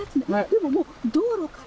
でももう道路から。